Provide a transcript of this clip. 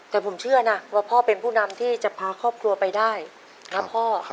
แต่ผมเชื่อนะว่าพ่อเป็นผู้นำที่จะพาครอบครัวไปได้นะพ่อ